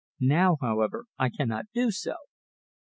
Now, however, I cannot do so."